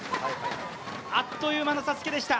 あっという間のＳＡＳＵＫＥでした。